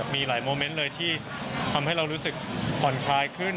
มีหลายโมเมนต์เลยที่ทำให้เรารู้สึกผ่อนคลายขึ้น